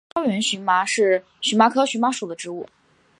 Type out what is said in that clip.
高原荨麻是荨麻科荨麻属的植物。